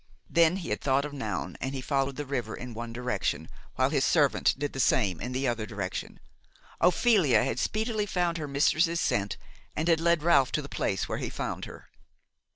Then he had thought of Noun and had followed the river in one direction, while his servant did the same in the other direction. Ophelia had speedily found her mistress's scent and had led Ralph to the place where he found her.